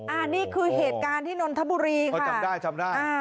อ่านี่คือเหตุการณ์ที่นนทบุรีค่ะจำได้